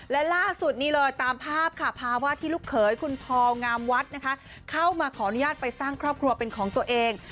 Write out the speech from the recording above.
และล่าสุดนี้เลยตามภาพค่ะภาวะที่ลูกเขยคุณพองามวัดนะคะเข้ามาขออนุญาตไปสร้างครอบครัวเป็นของตัวเอง